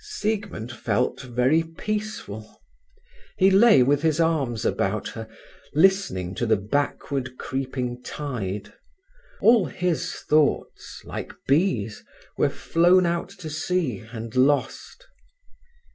Siegmund felt very peaceful. He lay with his arms about her, listening to the backward creeping tide. All his thoughts, like bees, were flown out to sea and lost.